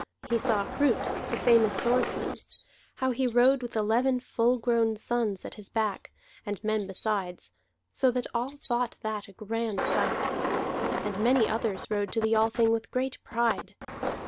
He saw Hrut, the famous swordsman, how he rode with eleven full grown sons at his back, and men besides, so that all thought that a grand sight. And many others rode to the Althing with great pride.